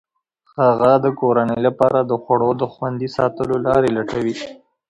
هغه د کورنۍ لپاره د خوړو د خوندي ساتلو لارې لټوي.